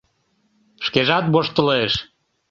Шкежат воштылеш.